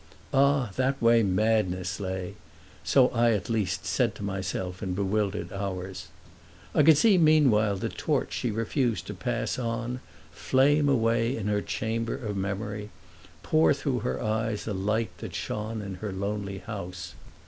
Ah that way madness lay!—so I at least said to myself in bewildered hours. I could see meanwhile the torch she refused to pass on flame away in her chamber of memory—pour through her eyes a light that shone in her lonely house.